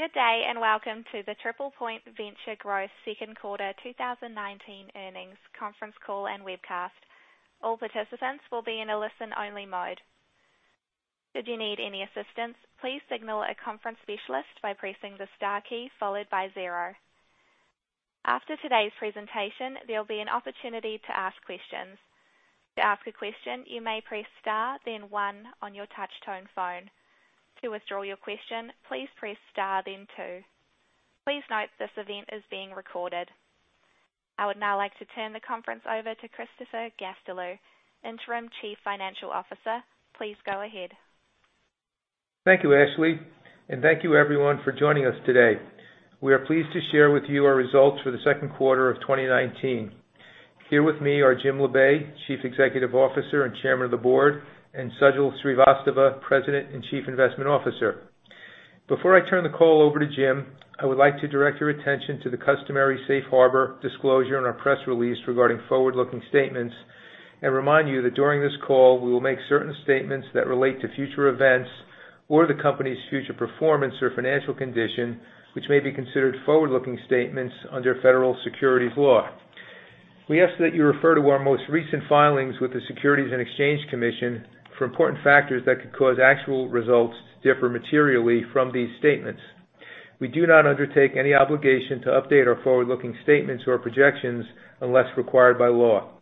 Good day, welcome to the TriplePoint Venture Growth second quarter 2019 earnings conference call and webcast. All participants will be in a listen-only mode. Should you need any assistance, please signal a conference specialist by pressing the star key followed by zero. After today's presentation, there'll be an opportunity to ask questions. To ask a question, you may press star then one on your touchtone phone. To withdraw your question, please press star then two. Please note this event is being recorded. I would now like to turn the conference over to Christopher Gastelu, Interim Chief Financial Officer. Please go ahead. Thank you, Ashley, and thank you, everyone, for joining us today. We are pleased to share with you our results for the second quarter of 2019. Here with me are Jim Labe, Chief Executive Officer and Chairman of the Board, and Sajal Srivastava, President and Chief Investment Officer. Before I turn the call over to Jim, I would like to direct your attention to the customary safe harbor disclosure in our press release regarding forward-looking statements, and remind you that during this call, we will make certain statements that relate to future events or the company's future performance or financial condition, which may be considered forward-looking statements under Federal Securities law. We ask that you refer to our most recent filings with the Securities and Exchange Commission for important factors that could cause actual results to differ materially from these statements. We do not undertake any obligation to update our forward-looking statements or projections unless required by law.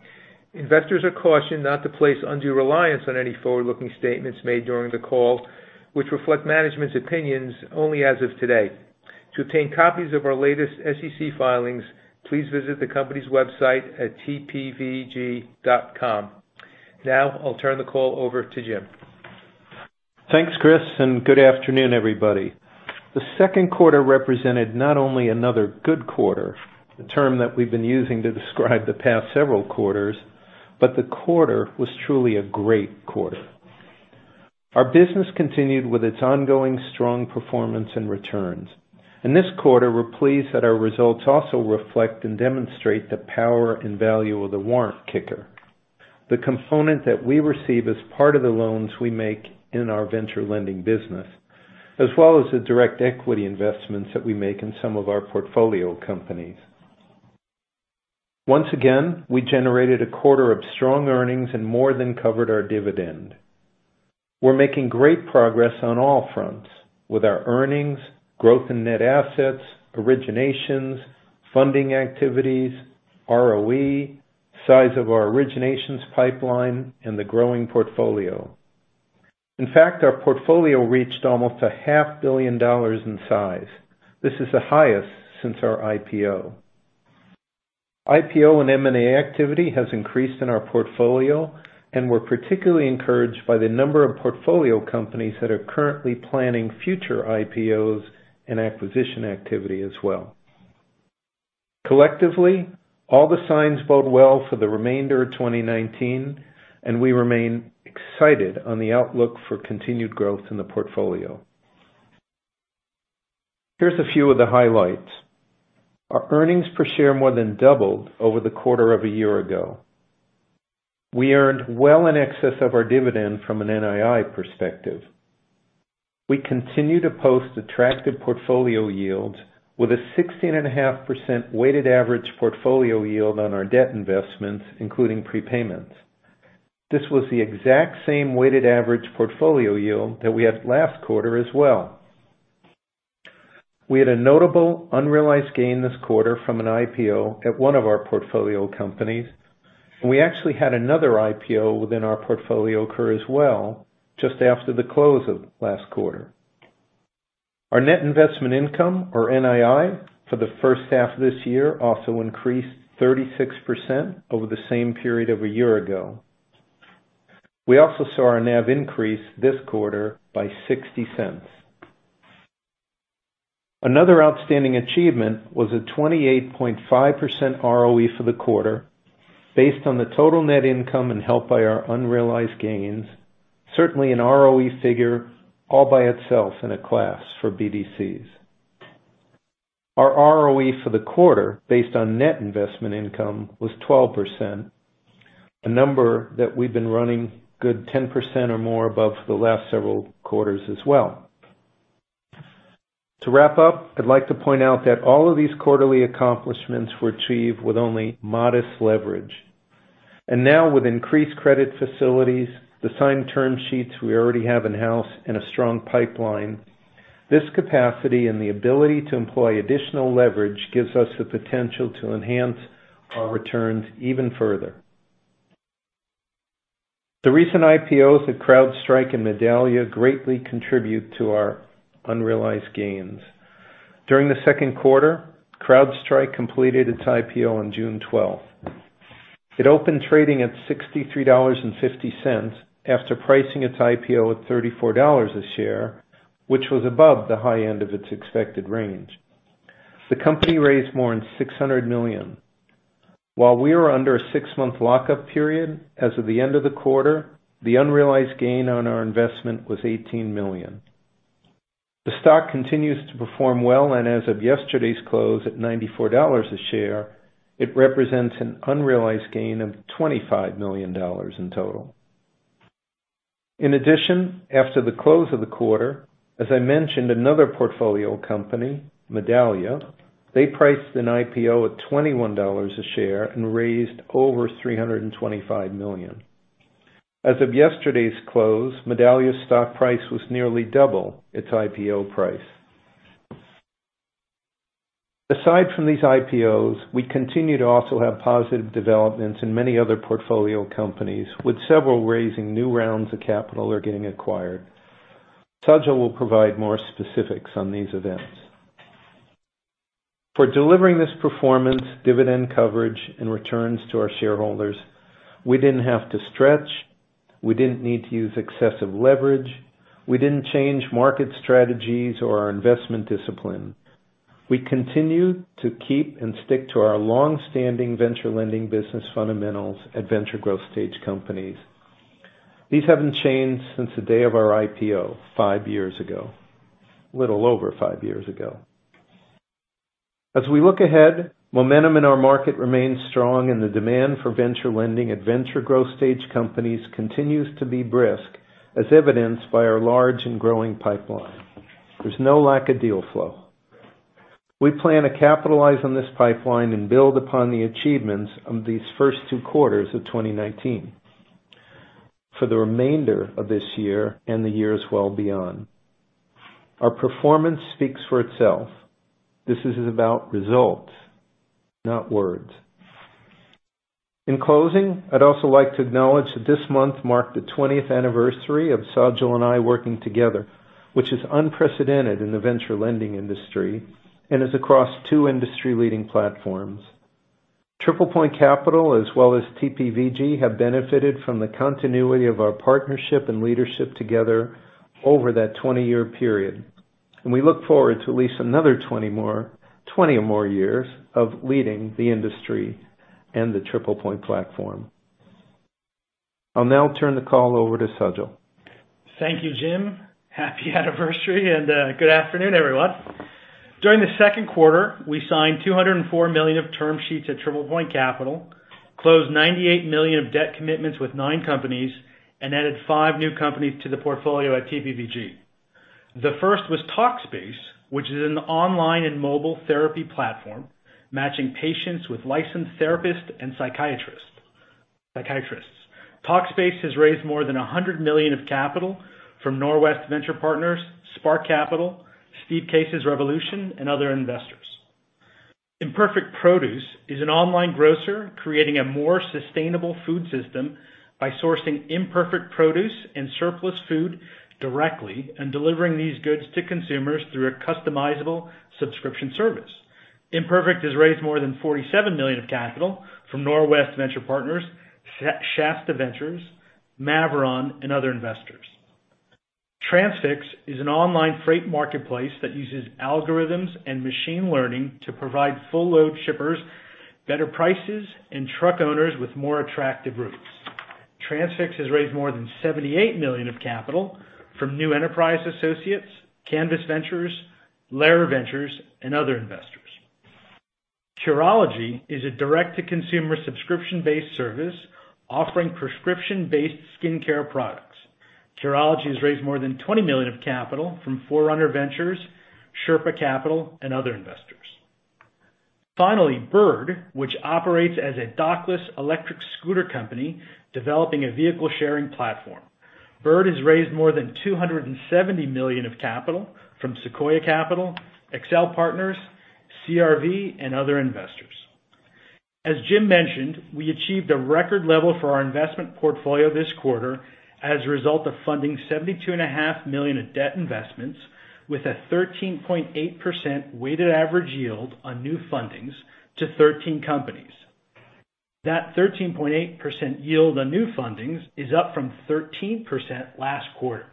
Investors are cautioned not to place undue reliance on any forward-looking statements made during the call, which reflect management's opinions only as of today. To obtain copies of our latest SEC filings, please visit the company's website at tpvg.com. Now, I'll turn the call over to Jim. Thanks, Chris, and good afternoon, everybody. The second quarter represented not only another good quarter, the term that we've been using to describe the past several quarters, but the quarter was truly a great quarter. Our business continued with its ongoing strong performance and returns. In this quarter, we're pleased that our results also reflect and demonstrate the power and value of the warrant kicker, the component that we receive as part of the loans we make in our venture lending business, as well as the direct equity investments that we make in some of our portfolio companies. Once again, we generated a quarter of strong earnings and more than covered our dividend. We're making great progress on all fronts with our earnings, growth in net assets, originations, funding activities, ROE, size of our originations pipeline, and the growing portfolio. In fact, our portfolio reached almost a half billion dollars in size. This is the highest since our IPO. IPO and M&A activity has increased in our portfolio, and we're particularly encouraged by the number of portfolio companies that are currently planning future IPOs and acquisition activity as well. Collectively, all the signs bode well for the remainder of 2019, and we remain excited on the outlook for continued growth in the portfolio. Here's a few of the highlights. Our earnings per share more than doubled over the quarter of a year ago. We earned well in excess of our dividend from an NII perspective. We continue to post attractive portfolio yields with a 16.5% weighted average portfolio yield on our debt investments, including prepayments. This was the exact same weighted average portfolio yield that we had last quarter as well. We had a notable unrealized gain this quarter from an IPO at one of our portfolio companies, and we actually had another IPO within our portfolio occur as well just after the close of last quarter. Our net investment income, or NII, for the first half of this year also increased 36% over the same period of a year ago. We also saw our NAV increase this quarter by $0.60. Another outstanding achievement was a 28.5% ROE for the quarter based on the total net income and helped by our unrealized gains. Certainly, an ROE figure all by itself in a class for BDCs. Our ROE for the quarter, based on net investment income, was 12%, a number that we've been running good 10% or more above for the last several quarters as well. To wrap up, I'd like to point out that all of these quarterly accomplishments were achieved with only modest leverage. Now with increased credit facilities, the signed term sheets we already have in-house, and a strong pipeline, this capacity and the ability to employ additional leverage gives us the potential to enhance our returns even further. The recent IPOs at CrowdStrike and Medallia greatly contribute to our unrealized gains. During the second quarter, CrowdStrike completed its IPO on June 12th. It opened trading at $63.50 after pricing its IPO at $34 a share, which was above the high end of its expected range. The company raised more than $600 million. While we are under a six-month lockup period as of the end of the quarter, the unrealized gain on our investment was $18 million. The stock continues to perform well. As of yesterday's close at $94 a share, it represents an unrealized gain of $25 million in total. In addition, after the close of the quarter, as I mentioned, another portfolio company, Medallia, they priced an IPO at $21 a share and raised over $325 million. As of yesterday's close, Medallia's stock price was nearly double its IPO price. Aside from these IPOs, we continue to also have positive developments in many other portfolio companies, with several raising new rounds of capital or getting acquired. Sajal will provide more specifics on these events. For delivering this performance, dividend coverage, and returns to our shareholders, we didn't have to stretch. We didn't need to use excessive leverage. We didn't change market strategies or our investment discipline. We continued to keep and stick to our longstanding venture lending business fundamentals at venture growth stage companies. These haven't changed since the day of our IPO five years ago. A little over five years ago. As we look ahead, momentum in our market remains strong, and the demand for venture lending at venture growth stage companies continues to be brisk, as evidenced by our large and growing pipeline. There's no lack of deal flow. We plan to capitalize on this pipeline and build upon the achievements of these first two quarters of 2019 for the remainder of this year and the years well beyond. Our performance speaks for itself. This is about results, not words. In closing, I'd also like to acknowledge that this month marked the 20th anniversary of Sajal and I working together, which is unprecedented in the venture lending industry and is across two industry-leading platforms. TriplePoint Capital, as well as TPVG, have benefited from the continuity of our partnership and leadership together over that 20-year period, and we look forward to at least 20 more years of leading the industry and the TriplePoint platform. I'll now turn the call over to Sajal. Thank you, Jim. Happy anniversary and good afternoon, everyone. During the second quarter, we signed $204 million of term sheets at TriplePoint Capital, closed $98 million of debt commitments with nine companies, and added five new companies to the portfolio at TPVG. The first was Talkspace, which is an online and mobile therapy platform matching patients with licensed therapists and psychiatrists. Talkspace has raised more than $100 million of capital from Norwest Venture Partners, Spark Capital, Steve Case's Revolution, and other investors. Imperfect Foods is an online grocer creating a more sustainable food system by sourcing imperfect produce and surplus food directly and delivering these goods to consumers through a customizable subscription service. Imperfect has raised more than $47 million of capital from Norwest Venture Partners, Shasta Ventures, Maveron, and other investors. Transfix is an online freight marketplace that uses algorithms and machine learning to provide full load shippers better prices, and truck owners with more attractive routes. Transfix has raised more than $78 million of capital from New Enterprise Associates, Canvas Ventures, Lerer Ventures, and other investors. Curology is a direct-to-consumer subscription-based service offering prescription-based skincare products. Curology has raised more than $20 million of capital from Forerunner Ventures, Sherpa Capital, and other investors. Finally, Bird, which operates as a dockless electric scooter company developing a vehicle-sharing platform. Bird has raised more than $270 million of capital from Sequoia Capital, Accel Partners, CRV, and other investors. As Jim mentioned, we achieved a record level for our investment portfolio this quarter as a result of funding $72.5 million of debt investments with a 13.8% weighted average yield on new fundings to 13 companies. That 13.8% yield on new fundings is up from 13% last quarter.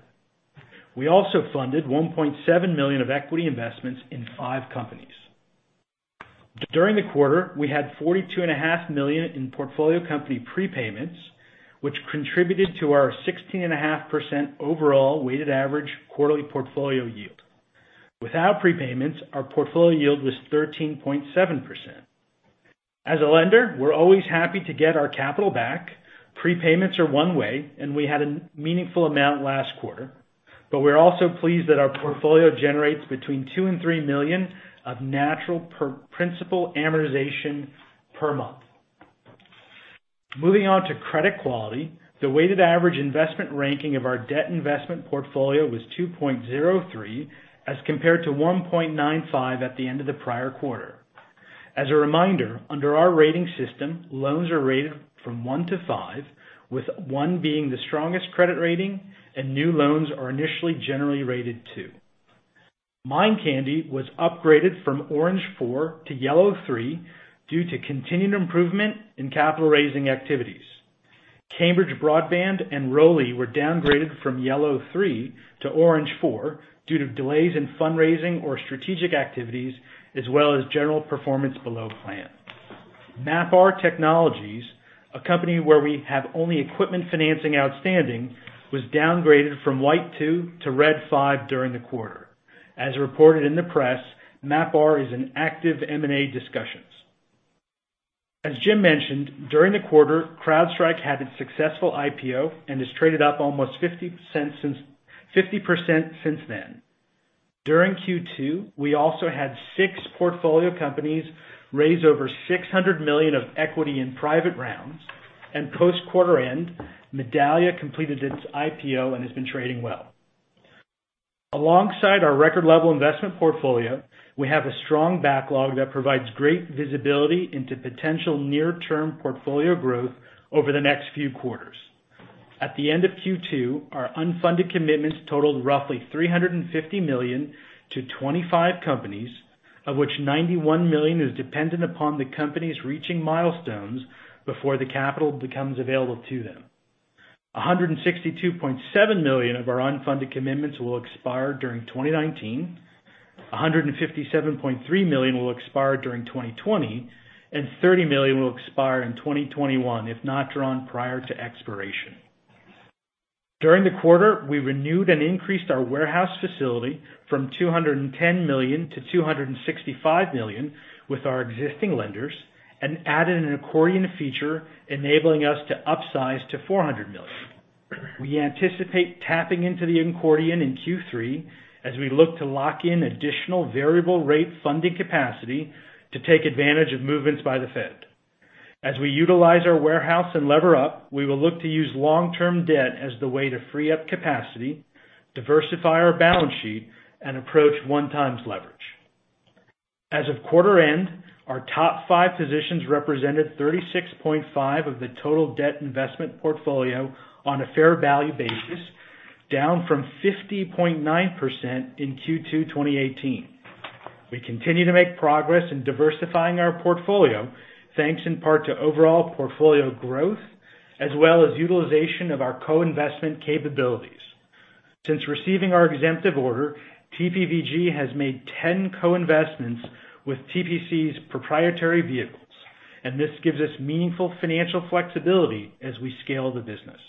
We also funded $1.7 million of equity investments in five companies. During the quarter, we had $42.5 million in portfolio company prepayments, which contributed to our 16.5% overall weighted average quarterly portfolio yield. Without prepayments, our portfolio yield was 13.7%. As a lender, we're always happy to get our capital back. Prepayments are one way, and we had a meaningful amount last quarter, but we're also pleased that our portfolio generates between $2 million and $3 million of natural principal amortization per month. Moving on to credit quality. The weighted average investment ranking of our debt investment portfolio was 2.03 as compared to 1.95 at the end of the prior quarter. As a reminder, under our rating system, loans are rated from one to five, with one being the strongest credit rating and new loans are initially generally rated two. Mind Candy was upgraded from Orange 4 to Yellow 3 due to continued improvement in capital raising activities. Cambridge Broadband and ROLI were downgraded from Yellow 3 to Orange 4 due to delays in fundraising or strategic activities, as well as general performance below plan. MapR Technologies, a company where we have only equipment financing outstanding, was downgraded from White 2 to Red 5 during the quarter. As reported in the press, MapR is in active M&A discussions. As Jim mentioned, during the quarter, CrowdStrike had its successful IPO and has traded up almost 50% since then. During Q2, we also had six portfolio companies raise over $600 million of equity in private rounds, and post quarter end, Medallia completed its IPO and has been trading well. Alongside our record level investment portfolio, we have a strong backlog that provides great visibility into potential near-term portfolio growth over the next few quarters. At the end of Q2, our unfunded commitments totaled roughly $350 million to 25 companies, of which $91 million is dependent upon the companies reaching milestones before the capital becomes available to them. $162.7 million of our unfunded commitments will expire during 2019, $157.3 million will expire during 2020, and $30 million will expire in 2021, if not drawn prior to expiration. During the quarter, we renewed and increased our warehouse facility from $210 million to $265 million with our existing lenders and added an accordion feature enabling us to upsize to $400 million. We anticipate tapping into the accordion in Q3 as we look to lock in additional variable rate funding capacity to take advantage of movements by the Fed. As we utilize our warehouse and lever up, we will look to use long-term debt as the way to free up capacity, diversify our balance sheet, and approach one times leverage. As of quarter end, our top five positions represented 36.5% of the total debt investment portfolio on a fair value basis, down from 50.9% in Q2 2018. We continue to make progress in diversifying our portfolio, thanks in part to overall portfolio growth, as well as utilization of our co-investment capabilities. Since receiving our exemptive order, TPVG has made 10 co-investments with TPC's proprietary vehicles, and this gives us meaningful financial flexibility as we scale the business.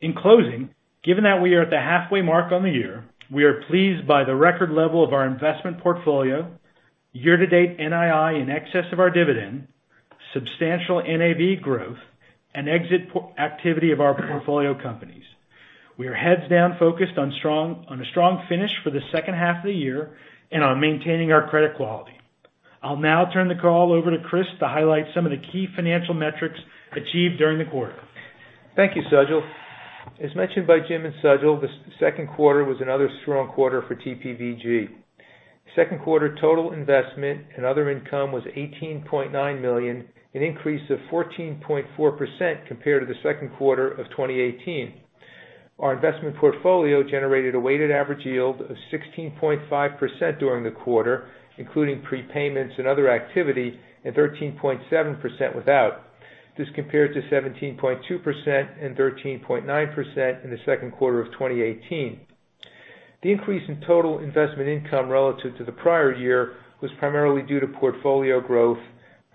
In closing, given that we are at the halfway mark on the year, we are pleased by the record level of our investment portfolio, year to date NII in excess of our dividend, substantial NAV growth, and exit activity of our portfolio companies. We are heads down focused on a strong finish for the second half of the year and on maintaining our credit quality. I'll now turn the call over to Sajal to highlight some of the key financial metrics achieved during the quarter. Thank you, Sajal. As mentioned by Jim and Sajal, the second quarter was another strong quarter for TPVG. Second quarter total investment and other income was $18.9 million, an increase of 14.4% compared to the second quarter of 2018. Our investment portfolio generated a weighted average yield of 16.5% during the quarter, including prepayments and other activity, and 13.7% without. This compared to 17.2% and 13.9% in the second quarter of 2018. The increase in total investment income relative to the prior year was primarily due to portfolio growth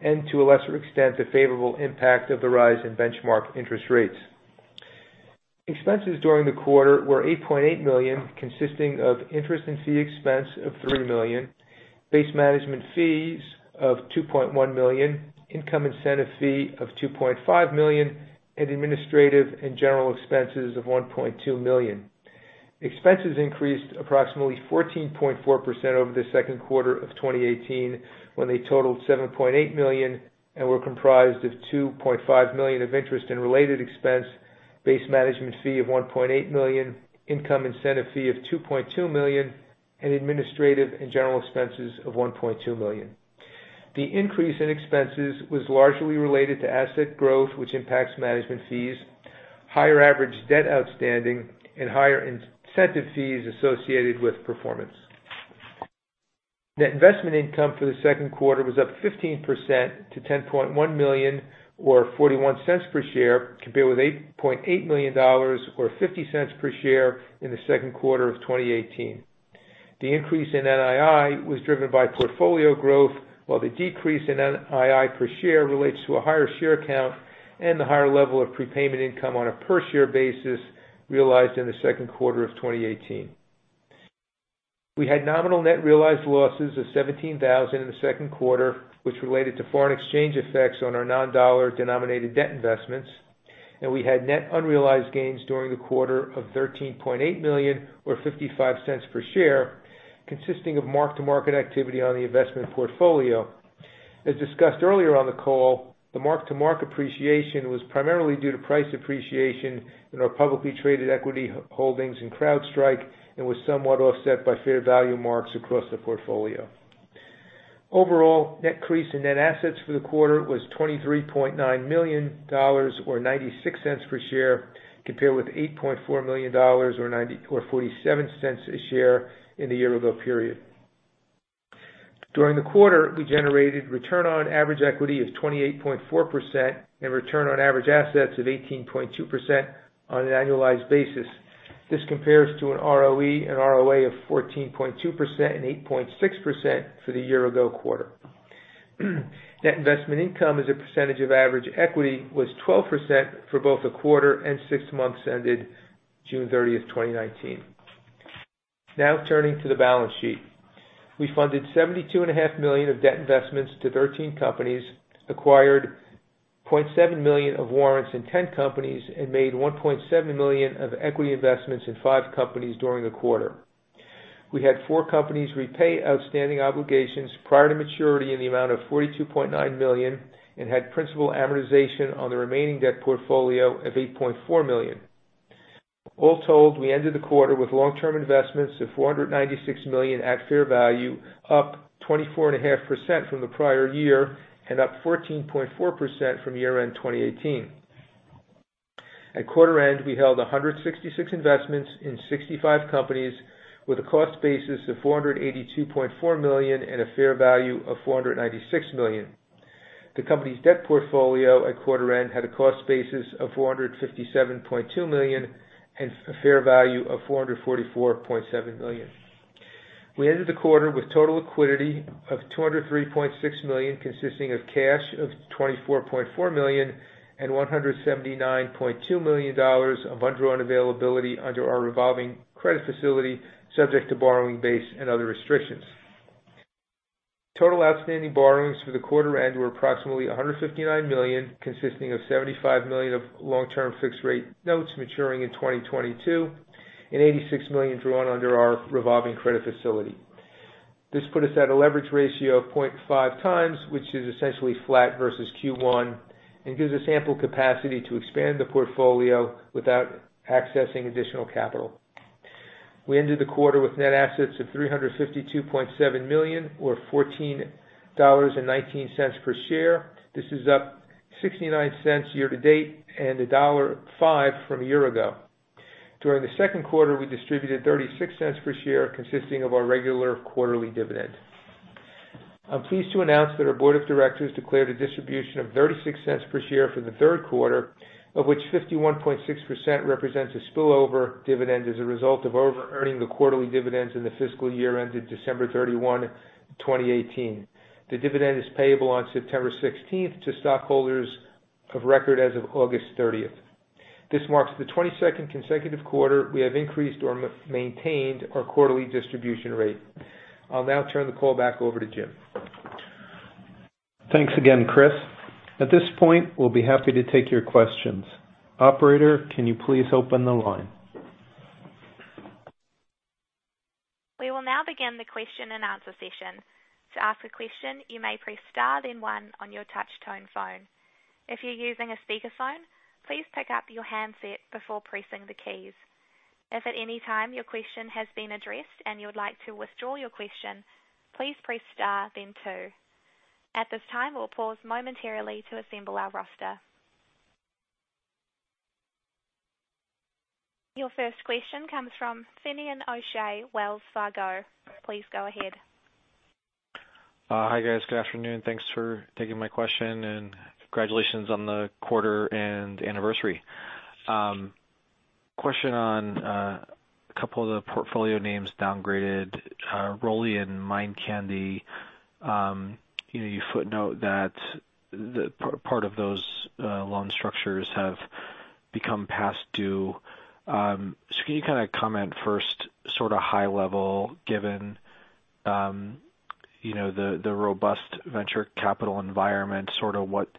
and, to a lesser extent, the favorable impact of the rise in benchmark interest rates. Expenses during the quarter were $8.8 million, consisting of interest in fee expense of $3 million, base management fees of $2.1 million, income incentive fee of $2.5 million, and administrative and general expenses of $1.2 million. Expenses increased approximately 14.4% over the second quarter of 2018, when they totaled $7.8 million and were comprised of $2.5 million of interest and related expense, base management fee of $1.8 million, income incentive fee of $2.2 million, and administrative and general expenses of $1.2 million. The increase in expenses was largely related to asset growth, which impacts management fees, higher average debt outstanding, and higher incentive fees associated with performance. Net investment income for the second quarter was up 15% to $10.1 million or $0.41 per share, compared with $8.8 million or $0.50 per share in the second quarter of 2018. The increase in NII was driven by portfolio growth, while the decrease in NII per share relates to a higher share count and the higher level of prepayment income on a per share basis realized in the second quarter of 2018. We had nominal net realized losses of $17,000 in the second quarter, which related to foreign exchange effects on our non-dollar denominated debt investments. We had net unrealized gains during the quarter of $13.8 million or $0.55 per share, consisting of mark-to-market activity on the investment portfolio. As discussed earlier on the call, the mark-to-market appreciation was primarily due to price appreciation in our publicly traded equity holdings in CrowdStrike and was somewhat offset by fair value marks across the portfolio. Overall, net increase in net assets for the quarter was $23.9 million, or $0.96 per share, compared with $8.4 million or $0.47 a share in the year-ago period. During the quarter, we generated return on average equity of 28.4% and return on average assets of 18.2% on an annualized basis. This compares to an ROE and ROA of 14.2% and 8.6% for the year ago quarter. Net investment income as a percentage of average equity was 12% for both the quarter and six months ended June 30, 2019. Now turning to the balance sheet. We funded $72.5 million of debt investments to 13 companies, acquired $0.7 million of warrants in 10 companies, and made $1.7 million of equity investments in five companies during the quarter. We had four companies repay outstanding obligations prior to maturity in the amount of $42.9 million and had principal amortization on the remaining debt portfolio of $8.4 million. All told, we ended the quarter with long-term investments of $496 million at fair value, up 24.5% from the prior year and up 14.4% from year-end 2018. At quarter end, we held 166 investments in 65 companies with a cost basis of $482.4 million and a fair value of $496 million. The company's debt portfolio at quarter end had a cost basis of $457.2 million and a fair value of $444.7 million. We ended the quarter with total liquidity of $203.6 million, consisting of cash of $24.4 million and $179.2 million of undrawn availability under our revolving credit facility, subject to borrowing base and other restrictions. Total outstanding borrowings through the quarter end were approximately $159 million, consisting of $75 million of long-term fixed rate notes maturing in 2022 and $86 million drawn under our revolving credit facility. This put us at a leverage ratio of 0.5 times, which is essentially flat versus Q1 and gives us ample capacity to expand the portfolio without accessing additional capital. We ended the quarter with net assets of $352.7 million or $14.19 per share. This is up $0.69 year to date and $1.05 from a year ago. During the second quarter, we distributed $0.36 per share, consisting of our regular quarterly dividend. I'm pleased to announce that our board of directors declared a distribution of $0.36 per share for the third quarter, of which 51.6% represents a spillover dividend as a result of over-earning the quarterly dividends in the fiscal year ended December 31, 2018. The dividend is payable on September 16th to stockholders of record as of August 30th. This marks the 22nd consecutive quarter we have increased or maintained our quarterly distribution rate. I'll now turn the call back over to Jim. Thanks again, Chris. At this point, we'll be happy to take your questions. Operator, can you please open the line? We will now begin the question and answer session. To ask a question, you may press star then one on your touch tone phone. If you're using a speakerphone, please pick up your handset before pressing the keys. If at any time your question has been addressed and you would like to withdraw your question, please press star then two. At this time, we'll pause momentarily to assemble our roster. Your first question comes from Finian O'Shea, Wells Fargo. Please go ahead. Hi, guys. Good afternoon. Thanks for taking my question and congratulations on the quarter and anniversary. Question on a couple of the portfolio names downgraded, ROLI and Mind Candy. You footnote that part of those loan structures have become past due. Can you comment first sort of high level, given the robust venture capital environment, sort of what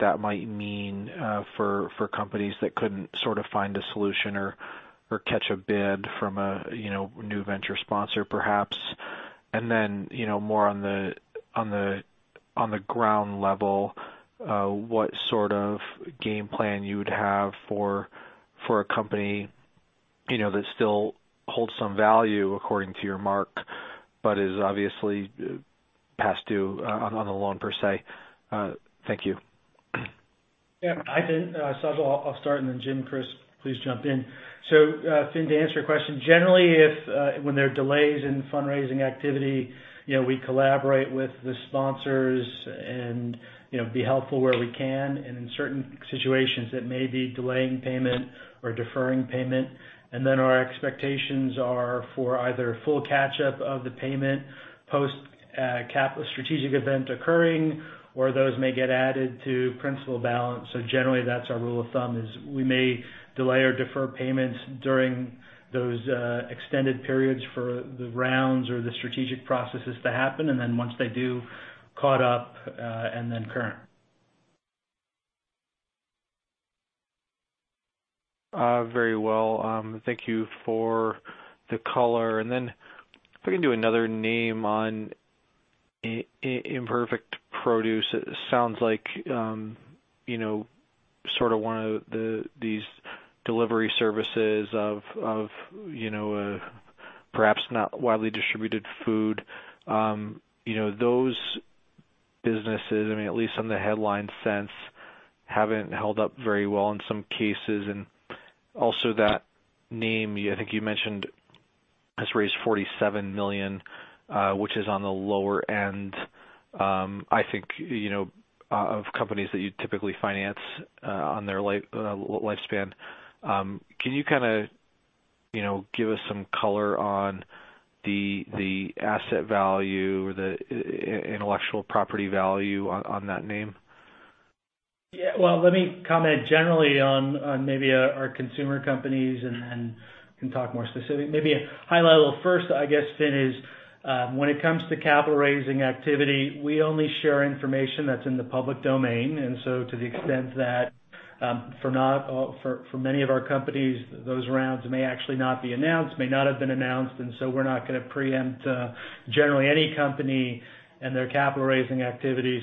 that might mean for companies that couldn't find a solution or catch a bid from a new venture sponsor perhaps? And then more on the ground level, what sort of game plan you would have for a company that still holds some value according to your mark but is obviously past due on the loan per se? Thank you. Yeah. Hi, Finn. I'll start and then Jim, Chris, please jump in. Finn, to answer your question, generally when there are delays in fundraising activity, we collaborate with the sponsors and be helpful where we can. In certain situations it may be delaying payment or deferring payment. Our expectations are for either full catch up of the payment post strategic event occurring or those may get added to principal balance. Generally that's our rule of thumb is we may delay or defer payments during those extended periods for the rounds or the strategic processes to happen and then once they do, caught up, and then current. Very well. Thank you for the color. Then if I can do another name on Imperfect Foods. It sounds like sort of one of these delivery services of perhaps not widely distributed food. Those businesses, at least on the headline sense, haven't held up very well in some cases. Also that name, I think you mentioned, has raised $47 million, which is on the lower end I think of companies that you'd typically finance on their lifespan. Can you give us some color on the asset value or the intellectual property value on that name? Yeah. Well, let me comment generally on maybe our consumer companies, and then can talk more specific. Maybe a high level first, I guess, Finn, is when it comes to capital raising activity, we only share information that's in the public domain. To the extent that for many of our companies, those rounds may actually not be announced, may not have been announced, and so we're not going to preempt generally any company and their capital raising activities.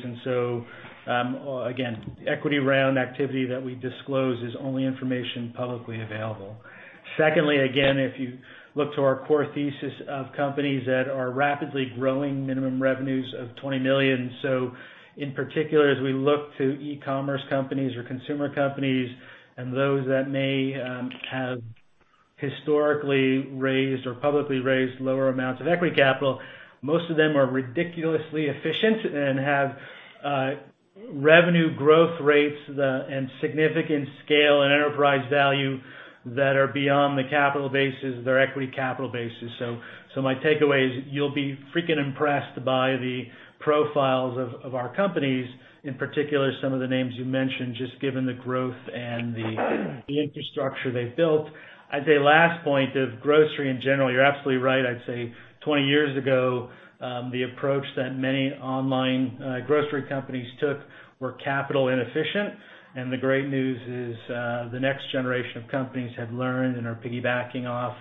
Again, equity round activity that we disclose is only information publicly available. Secondly, again, if you look to our core thesis of companies that are rapidly growing minimum revenues of $20 million. In particular, as we look to e-commerce companies or consumer companies and those that may have historically raised or publicly raised lower amounts of equity capital, most of them are ridiculously efficient and have revenue growth rates and significant scale and enterprise value that are beyond the capital bases, their equity capital bases. My takeaway is you'll be freaking impressed by the profiles of our companies, in particular, some of the names you mentioned, just given the growth and the infrastructure they've built. I'd say last point of grocery in general, you're absolutely right. I'd say 20 years ago, the approach that many online grocery companies took were capital inefficient. The great news is, the next generation of companies have learned and are piggybacking off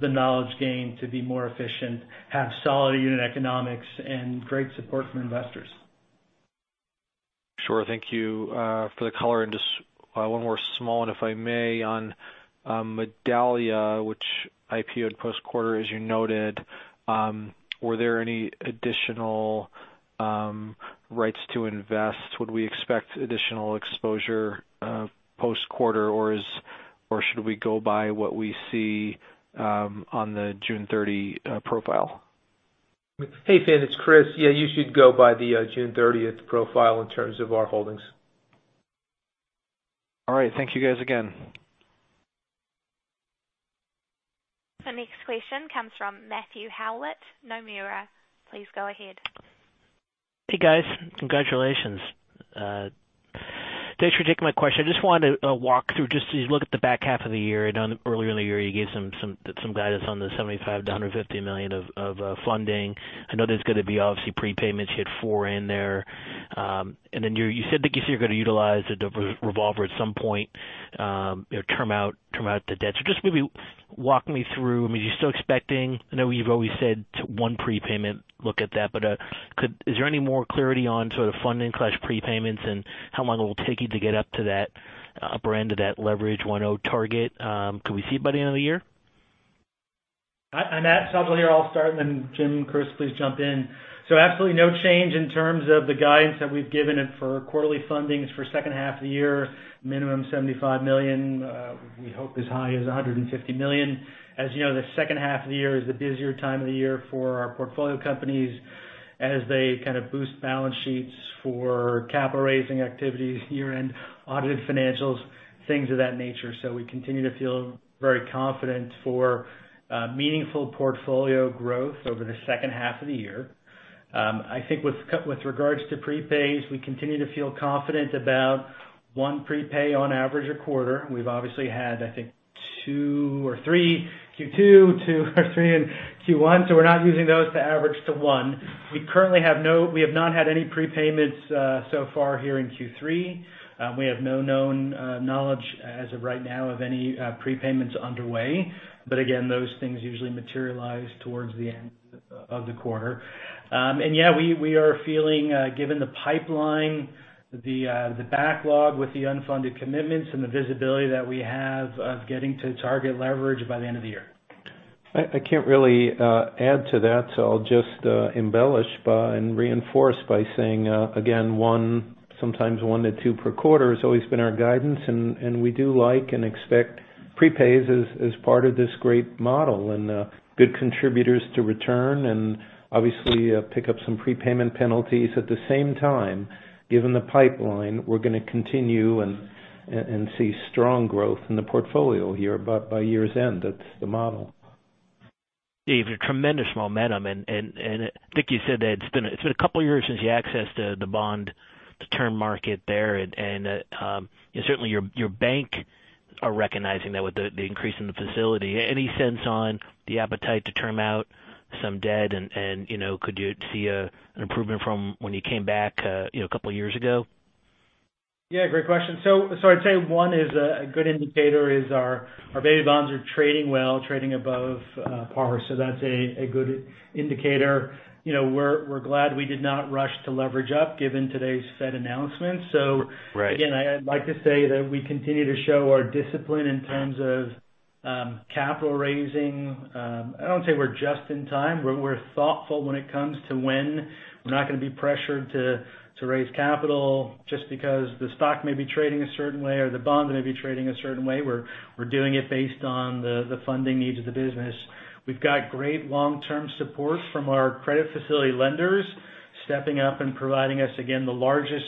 the knowledge gained to be more efficient, have solid unit economics, and great support from investors. Sure. Thank you for the color. Just one more small one, if I may, on Medallia, which IPO'd post quarter, as you noted. Were there any additional rights to invest? Would we expect additional exposure post quarter or should we go by what we see on the June 30 profile? Hey, Finn. It's Chris. Yeah, you should go by the June 30th profile in terms of our holdings. All right. Thank you guys again. The next question comes from Matthew Howlett, Nomura. Please go ahead. Hey, guys. Congratulations. Thanks for taking my question. I just wanted to walk through just as you look at the back half of the year. I know earlier in the year, you gave some guidance on the $75 million-$150 million of funding. I know there's going to be obviously prepayments, you had four in there. You said that you said you're going to utilize the revolver at some point, term out the debt. Just maybe walk me through, I mean, you're still expecting I know you've always said one prepayment, look at that. Is there any more clarity on sort of funding/prepayments and how long it will take you to get up to that upper end of that leverage 1.0 target? Could we see it by the end of the year? Hi Matt. Sajal here. I'll start and then Jim, Chris, please jump in. Absolutely no change in terms of the guidance that we've given for quarterly fundings for second half of the year, minimum $75 million. We hope as high as $150 million. You know, the second half of the year is the busier time of the year for our portfolio companies as they kind of boost balance sheets for capital raising activities, year-end audited financials, things of that nature. We continue to feel very confident for meaningful portfolio growth over the second half of the year. I think with regards to prepays, we continue to feel confident about one prepay on average a quarter. We've obviously had, I think two or three Q2, two or three in Q1, so we're not using those to average to one. We have not had any prepayments so far here in Q3. We have no known knowledge as of right now of any prepayments underway. Again, those things usually materialize towards the end of the quarter. Yeah, we are feeling, given the pipeline, the backlog with the unfunded commitments and the visibility that we have of getting to target leverage by the end of the year. I can't really add to that, I'll just embellish by and reinforce by saying, again, one, sometimes one to two per quarter has always been our guidance, and we do like and expect prepays as part of this great model and good contributors to return and obviously pick up some prepayment penalties at the same time. Given the pipeline, we're gonna continue and see strong growth in the portfolio here by year's end. That's the model. Great, tremendous momentum and I think you said that it's been a couple of years since you accessed the bond to term market there and certainly your bank are recognizing that with the increase in the facility. Any sense on the appetite to term out some debt and could you see an improvement from when you came back a couple of years ago? Yeah, great question. I'd say one is a good indicator is our baby bonds are trading well, trading above par. That's a good indicator. We're glad we did not rush to leverage up given today's Fed announcements. Right I'd like to say that we continue to show our discipline in terms of capital raising. I don't say we're just in time. We're thoughtful when it comes to when we're not gonna be pressured to raise capital just because the stock may be trading a certain way or the bond may be trading a certain way. We're doing it based on the funding needs of the business. We've got great long-term support from our credit facility lenders stepping up and providing us again the largest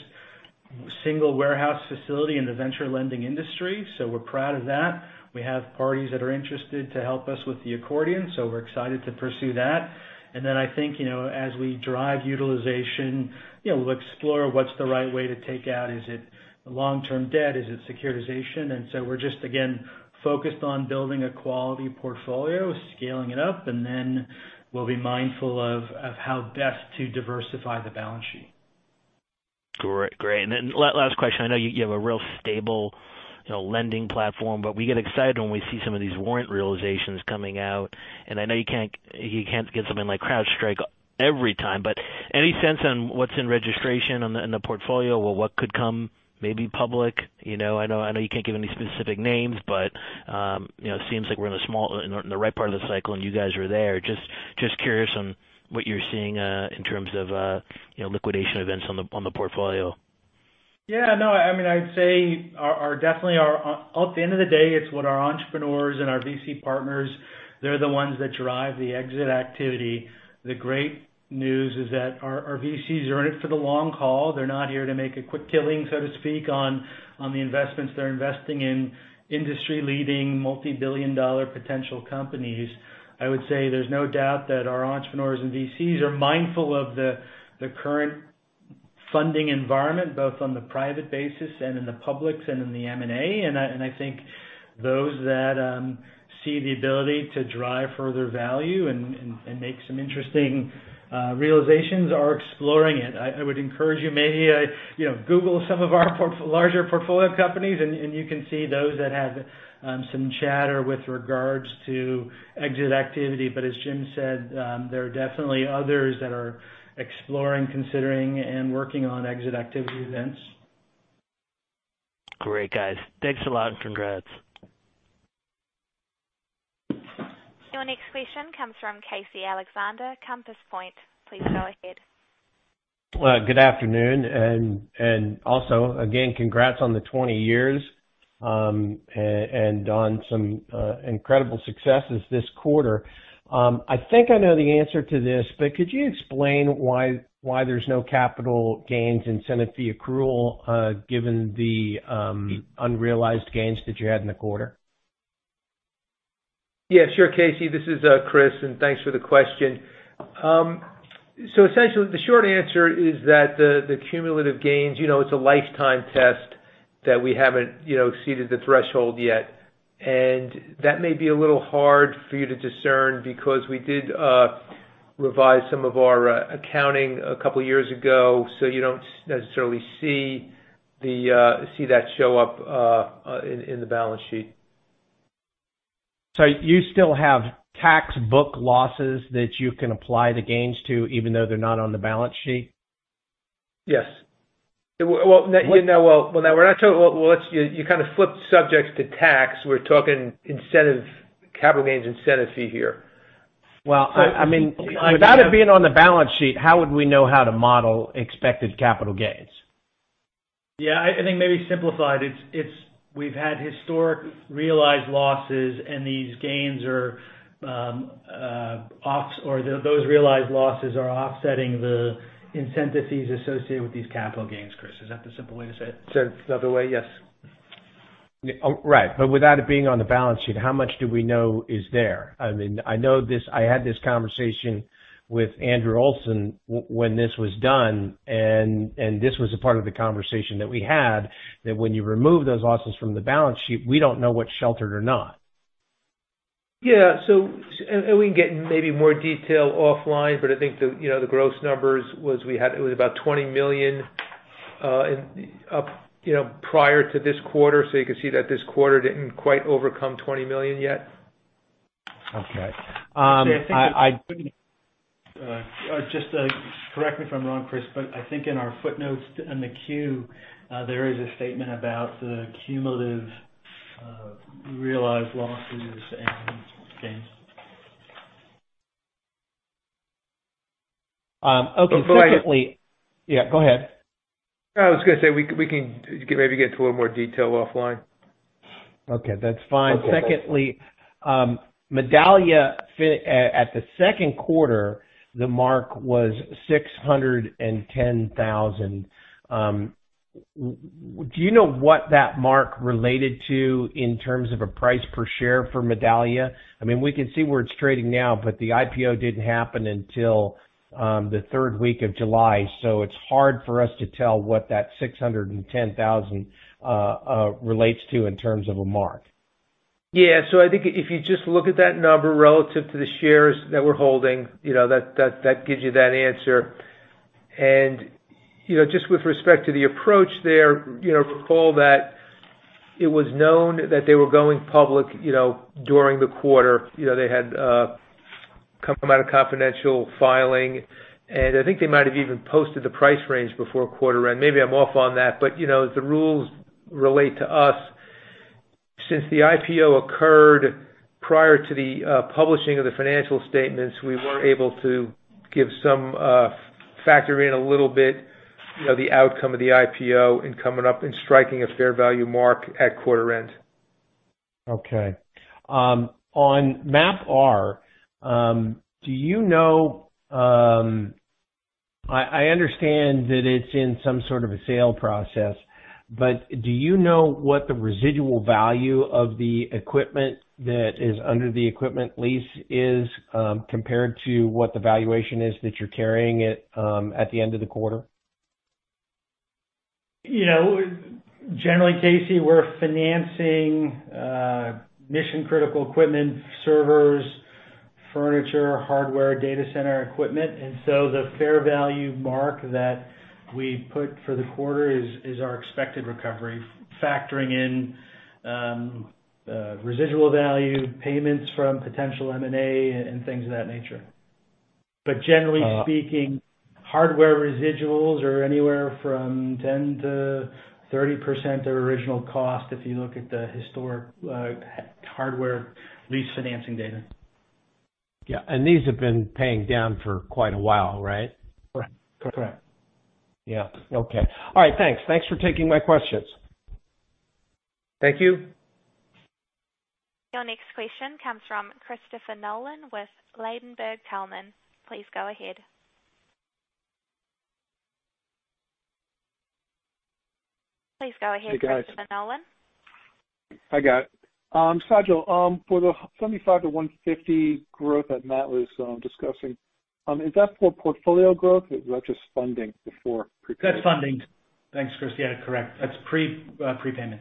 single warehouse facility in the venture lending industry. We're proud of that. We have parties that are interested to help us with the accordion, so we're excited to pursue that. I think, as we drive utilization, we'll explore what's the right way to take out. Is it long-term debt? Is it securitization? We're just, again, focused on building a quality portfolio, scaling it up, and then we'll be mindful of how best to diversify the balance sheet. Great. Last question. I know you have a real stable lending platform, but we get excited when we see some of these warrant realizations coming out. I know you can't get something like CrowdStrike every time, but any sense on what's in registration in the portfolio? What could come maybe public? I know you can't give any specific names, but it seems like we're in the right part of the cycle, and you guys are there. Just curious on what you're seeing in terms of liquidation events on the portfolio. I would say definitely at the end of the day, it's what our entrepreneurs and our VC partners, they're the ones that drive the exit activity. The great news is that our VCs are in it for the long haul. They're not here to make a quick killing, so to speak, on the investments. They're investing in industry-leading, multi-billion-dollar potential companies. I would say there's no doubt that our entrepreneurs and VCs are mindful of the current funding environment, both on the private basis and in the publics and in the M&A. I think those that see the ability to drive further value and make some interesting realizations are exploring it. I would encourage you maybe google some of our larger portfolio companies, and you can see those that have some chatter with regards to exit activity. As Jim said, there are definitely others that are exploring, considering, and working on exit activity events. Great, guys. Thanks a lot and congrats. Your next question comes from Casey Alexander, Compass Point. Please go ahead. Well, good afternoon. Also, again, congrats on the 20 years, and on some incredible successes this quarter. I think I know the answer to this, could you explain why there's no capital gains incentive fee accrual, given the unrealized gains that you had in the quarter? Yeah, sure, Casey. This is Chris, and thanks for the question. Essentially, the short answer is that the cumulative gains, it's a lifetime test that we haven't exceeded the threshold yet. That may be a little hard for you to discern because we did revise some of our accounting a couple of years ago, so you don't necessarily see that show up in the balance sheet. You still have tax book losses that you can apply the gains to, even though they're not on the balance sheet? Yes. Well, now we're not, well, you kind of flipped subjects to tax. We're talking incentive capital gains, incentive fee here. Well, without it being on the balance sheet, how would we know how to model expected capital gains? Yeah, I think maybe simplified it. We've had historic realized losses, and these gains are, or those realized losses are offsetting the incentive fees associated with these capital gains, Chris. Is that the simple way to say it? Said another way, yes. Right. Without it being on the balance sheet, how much do we know is there? I had this conversation with Andrew Olson when this was done, and this was a part of the conversation that we had, that when you remove those losses from the balance sheet, we don't know what's sheltered or not. Yeah. We can get maybe more detail offline, but I think the gross numbers was about $20 million prior to this quarter, so you can see that this quarter didn't quite overcome $20 million yet. Okay. Just correct me if I'm wrong, Chris, but I think in our footnotes in the Q, there is a statement about the cumulative realized losses and gains. Okay. Secondly, Yeah, go ahead. I was going to say we can maybe get to a little more detail offline. Okay, that's fine. Secondly, Medallia, at the second quarter, the mark was $610,000. Do you know what that mark related to in terms of a price per share for Medallia? We can see where it's trading now, but the IPO didn't happen until the third week of July. It's hard for us to tell what that $610,000 relates to in terms of a mark. Yeah. I think if you just look at that number relative to the shares that we're holding, that gives you that answer. Just with respect to the approach there, recall that it was known that they were going public during the quarter. They had come out of confidential filing, and I think they might have even posted the price range before quarter end. Maybe I'm off on that. As the rules relate to us, since the IPO occurred prior to the publishing of the financial statements, we were able to factor in a little bit the outcome of the IPO in coming up and striking a fair value mark at quarter end. Okay. On MapR, I understand that it's in some sort of a sale process, but do you know what the residual value of the equipment that is under the equipment lease is, compared to what the valuation is that you're carrying it at the end of the quarter? Generally, Casey, we're financing mission-critical equipment, servers, furniture, hardware, data center equipment. The fair value mark that we put for the quarter is our expected recovery, factoring in residual value payments from potential M&A and things of that nature. Generally speaking, hardware residuals are anywhere from 10%-30% of original cost if you look at the historic hardware lease financing data. Yeah. These have been paying down for quite a while, right? Correct. Yeah. Okay. All right. Thanks. Thanks for taking my questions. Thank you. Your next question comes from Christopher Nolan with Ladenburg Thalmann. Please go ahead, Christopher Nolan. Hey, guys. Hi, guys. Sajal, for the $75-$150 growth that Matt was discussing, is that for portfolio growth or is that just funding before prepay? That's funding. Thanks, Chris. Yeah, correct. That's prepayments.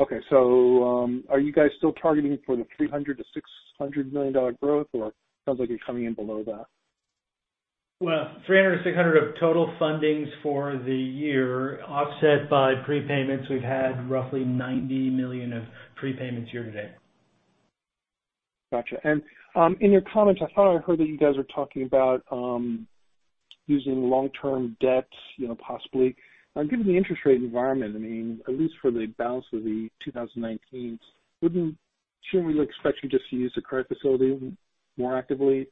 Okay. Are you guys still targeting for the $300 million-$600 million growth or it sounds like you're coming in below that? Well, $300-$600 of total fundings for the year offset by prepayments. We've had roughly $90 million of prepayments year to date. Got you. In your comments, I thought I heard that you guys are talking about using long-term debt, possibly. Given the interest rate environment, at least for the balance of 2019, shouldn't we expect you just to use the credit facility more actively?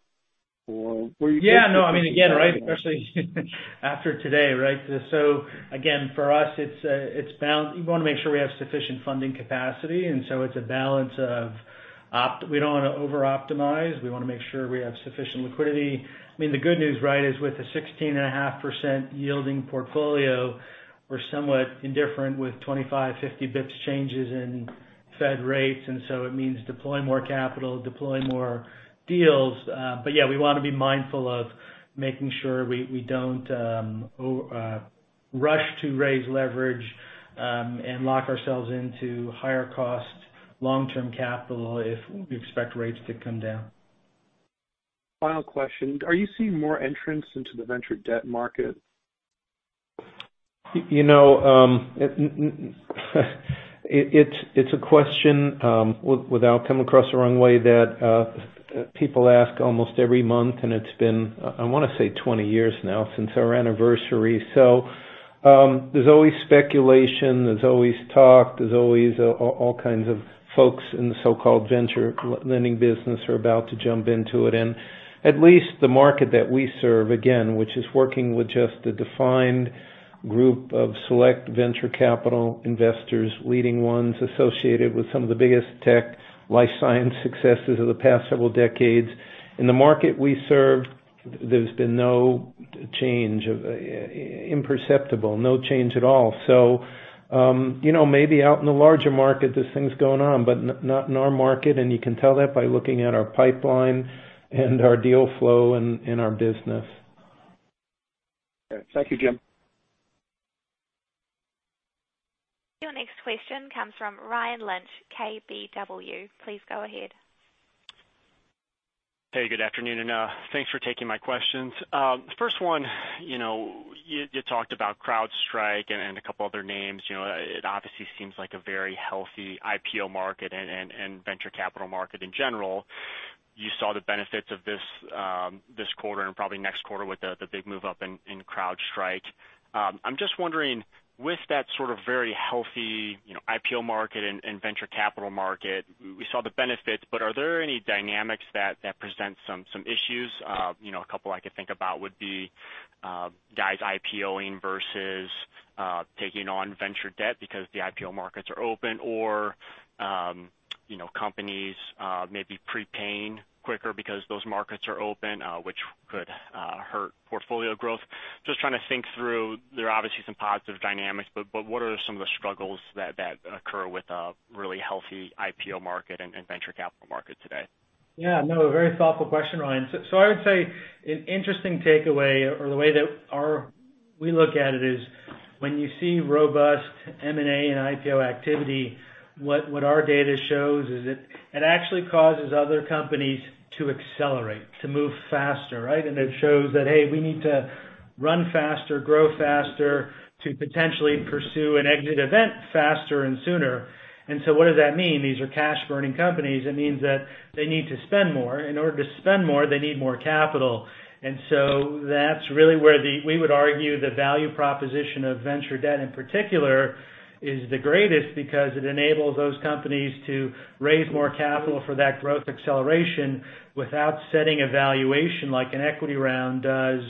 Yeah, no, again, especially after today, right? Again, for us, we want to make sure we have sufficient funding capacity, and so it's a balance of we don't want to over-optimize. We want to make sure we have sufficient liquidity. The good news, is with the 16.5% yielding portfolio, we're somewhat indifferent with 25, 50 basis points changes in Fed rates, it means deploy more capital, deploy more deals. Yeah, we want to be mindful of making sure we don't rush to raise leverage, and lock ourselves into higher cost long-term capital if we expect rates to come down. Final question. Are you seeing more entrants into the venture debt market? It's a question, without coming across the wrong way, that people ask almost every month, and it's been, I want to say, 20 years now since our anniversary. There's always speculation. There's always talk. There's always all kinds of folks in the so-called venture lending business are about to jump into it. At least the market that we serve, again, which is working with just the defined group of select venture capital investors, leading ones associated with some of the biggest tech life science successes of the past several decades. In the market we serve, there's been no change. Imperceptible. No change at all. Maybe out in the larger market, this thing's going on, but not in our market, and you can tell that by looking at our pipeline and our deal flow and in our business. Thank you, Jim. Your next question comes from Ryan Lynch, KBW. Please go ahead. Hey, good afternoon. Thanks for taking my questions. First one, you talked about CrowdStrike and a couple other names. It obviously seems like a very healthy IPO market and venture capital market in general. You saw the benefits of this quarter and probably next quarter with the big move up in CrowdStrike. I'm just wondering, with that sort of very healthy IPO market and venture capital market, we saw the benefits. Are there any dynamics that present some issues? A couple I could think about would be guys IPO-ing versus taking on venture debt because the IPO markets are open or companies maybe prepaying quicker because those markets are open, which could hurt portfolio growth. Just trying to think through. There are obviously some positive dynamics. What are some of the struggles that occur with a really healthy IPO market and venture capital market today? Yeah, no, a very thoughtful question, Ryan. I would say an interesting takeaway or the way that we look at it is when you see robust M&A and IPO activity, what our data shows is it actually causes other companies to accelerate, to move faster. It shows that, hey, we need to run faster, grow faster to potentially pursue an exit event faster and sooner. What does that mean? These are cash-burning companies. It means that they need to spend more. In order to spend more, they need more capital. That's really where we would argue the value proposition of venture debt, in particular, is the greatest because it enables those companies to raise more capital for that growth acceleration without setting a valuation like an equity round does,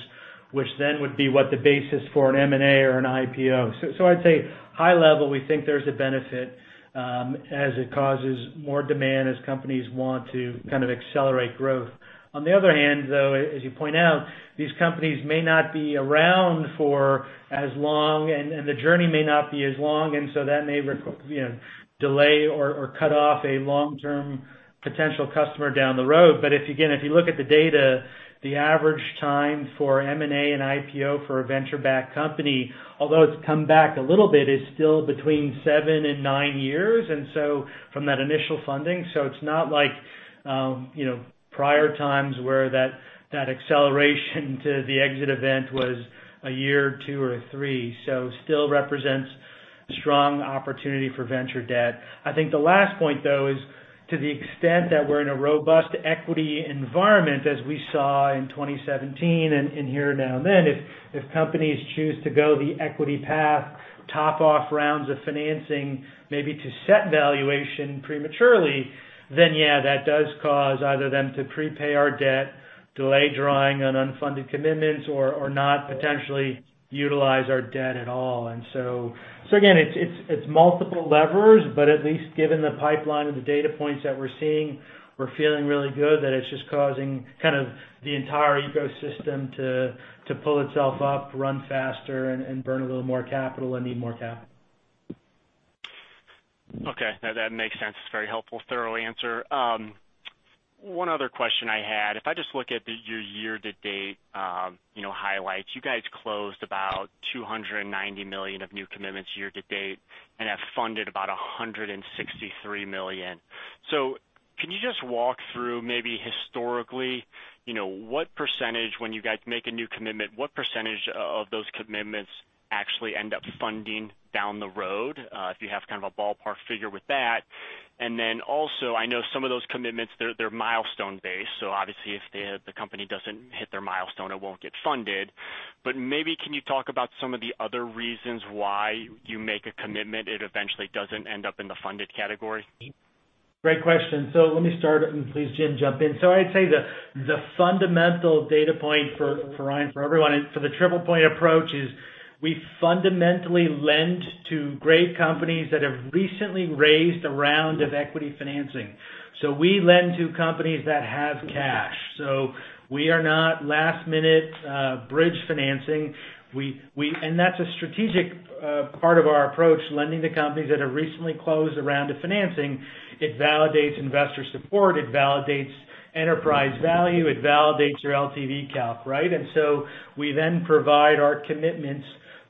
which then would be what the basis for an M&A or an IPO. I'd say high level, we think there's a benefit as it causes more demand, as companies want to kind of accelerate growth. On the other hand, though, as you point out, these companies may not be around for as long and the journey may not be as long, and so that may delay or cut off a long-term potential customer down the road. Again, if you look at the data, the average time for M&A and IPO for a venture-backed company, although it's come back a little bit, is still between 7 and 9 years from that initial funding. It's not like prior times where that acceleration to the exit event was a year or two or three. Still represents strong opportunity for venture debt. I think the last point, though, is to the extent that we're in a robust equity environment, as we saw in 2017 and here now and then. If companies choose to go the equity path, top off rounds of financing, maybe to set valuation prematurely, yeah, that does cause either them to prepay our debt, delay drawing on unfunded commitments, or not potentially utilize our debt at all. Again, it's multiple levers, but at least given the pipeline of the data points that we're seeing, we're feeling really good that it's just causing the entire ecosystem to pull itself up, run faster, and burn a little more capital and need more capital. Okay, that makes sense. It's a very helpful, thorough answer. One other question I had. If I just look at your year-to-date highlights, you guys closed about $290 million of new commitments year-to-date and have funded about $163 million. Can you just walk through maybe historically, when you guys make a new commitment, what percentage of those commitments actually end up funding down the road? If you have kind of a ballpark figure with that. Then also, I know some of those commitments, they're milestone-based, so obviously if the company doesn't hit their milestone, it won't get funded. Maybe can you talk about some of the other reasons why you make a commitment, it eventually doesn't end up in the funded category? Great question. Let me start and please, Jim, jump in. I'd say the fundamental data point for Ryan, for everyone, and for the TriplePoint approach is we fundamentally lend to great companies that have recently raised a round of equity financing. We lend to companies that have cash. We are not last minute bridge financing. That's a strategic part of our approach, lending to companies that have recently closed a round of financing. It validates investor support, it validates enterprise value, it validates your LTV calc, right? We then provide our commitments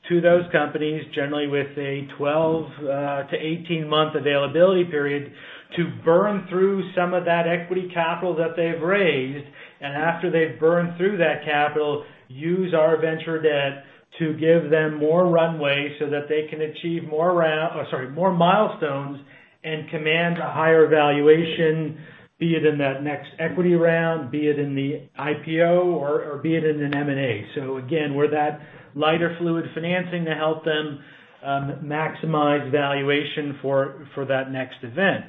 to those companies, generally with a 12 to 18-month availability period to burn through some of that equity capital that they've raised. After they've burned through that capital, use our venture debt to give them more runway so that they can achieve more milestones and command a higher valuation, be it in that next equity round, be it in the IPO, or be it in an M&A. Again, we're that lighter fluid financing to help them maximize valuation for that next event.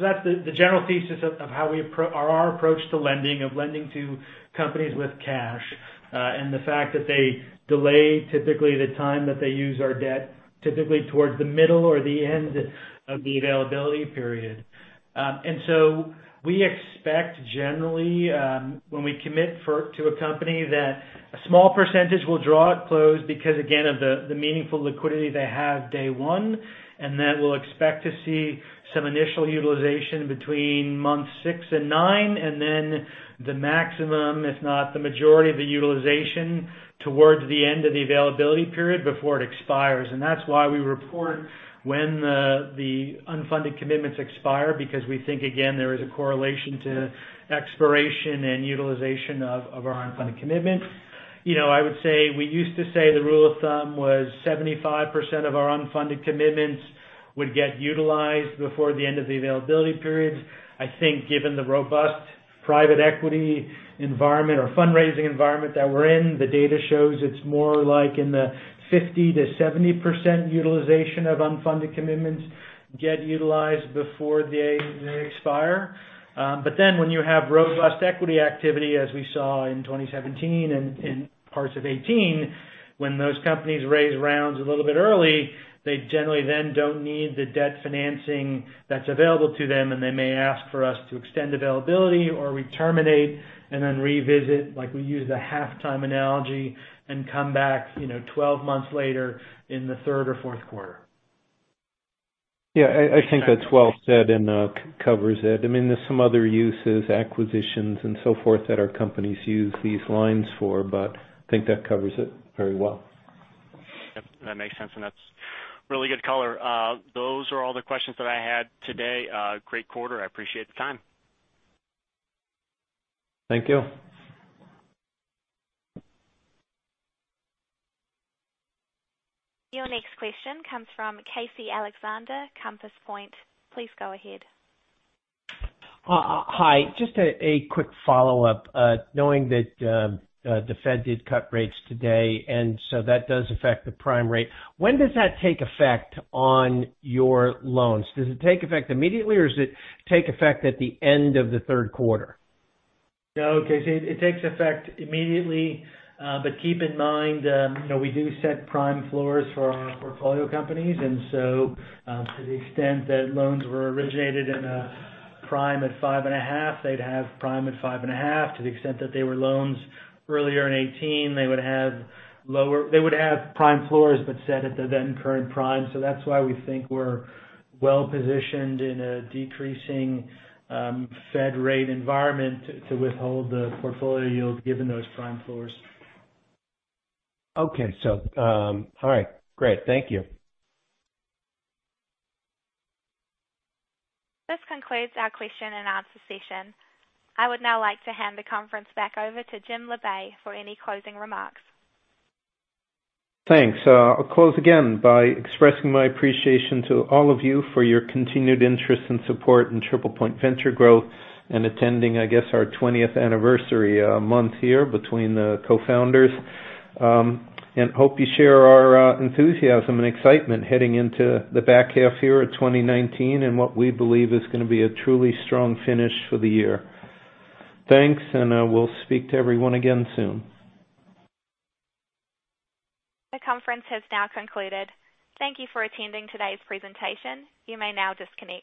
That's the general thesis of our approach to lending, of lending to companies with cash. The fact that they delay, typically, the time that they use our debt, typically towards the middle or the end of the availability period. We expect, generally, when we commit to a company, that a small percentage will draw at close because, again, of the meaningful liquidity they have day one, and then we'll expect to see some initial utilization between months six and nine, and then the maximum, if not the majority of the utilization towards the end of the availability period before it expires. That's why we report when the unfunded commitments expire, because we think, again, there is a correlation to expiration and utilization of our unfunded commitments. I would say we used to say the rule of thumb was 75% of our unfunded commitments would get utilized before the end of the availability periods. I think given the robust private equity environment or fundraising environment that we're in, the data shows it's more like in the 50% to 70% utilization of unfunded commitments get utilized before they expire. When you have robust equity activity, as we saw in 2017 and in parts of 2018, when those companies raise rounds a little bit early, they generally then don't need the debt financing that's available to them, and they may ask for us to extend availability or we terminate and then revisit. We use the halftime analogy and come back 12 months later in the third or fourth quarter. I think that's well said and covers it. There's some other uses, acquisitions and so forth, that our companies use these lines for, but I think that covers it very well. Yep, that makes sense, and that's really good color. Those are all the questions that I had today. Great quarter. I appreciate the time. Thank you. Your next question comes from Casey Alexander, Compass Point. Please go ahead. Hi. Just a quick follow-up. Knowing that the Fed did cut rates today, that does affect the prime rate. When does that take effect on your loans? Does it take effect immediately or does it take effect at the end of the third quarter? No, Casey, it takes effect immediately. Keep in mind, we do set prime floors for our portfolio companies, to the extent that loans were originated in a prime at 5.5, they'd have prime at 5.5. To the extent that they were loans earlier in 2018, they would have prime floors, set at the then current prime. That's why we think we're well-positioned in a decreasing Fed rate environment to withhold the portfolio yield given those prime floors. Okay. All right, great. Thank you. This concludes our question and answer session. I would now like to hand the conference back over to Jim Labe for any closing remarks. Thanks. I'll close again by expressing my appreciation to all of you for your continued interest and support in TriplePoint Venture Growth and attending, I guess, our 20th anniversary month here between the co-founders. Hope you share our enthusiasm and excitement heading into the back half here of 2019 and what we believe is going to be a truly strong finish for the year. Thanks, and we'll speak to everyone again soon. The conference has now concluded. Thank you for attending today's presentation. You may now disconnect.